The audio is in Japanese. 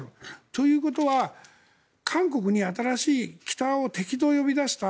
ということは韓国に北を敵と呼び出した